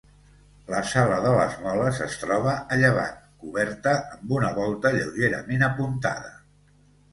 La sala de les moles es troba a llevant, coberta amb una volta lleugerament apuntada.